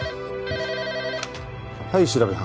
はい調べ班。